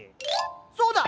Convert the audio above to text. そうだ！